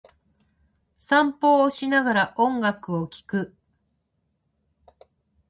散歩をしながら、音楽を聴く。